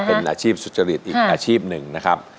เป็นอาชีพสุจริตอีกอาชีพหนึ่งนะครับ